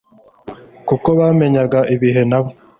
kuko bamenyaga ibihe Nabo